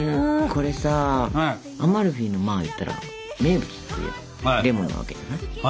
これさアマルフィのまあ言ったら名物といえばレモンなわけじゃない？